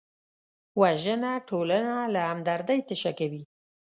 وژنه ټولنه له همدردۍ تشه کوي